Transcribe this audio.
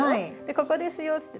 「ここですよ」って。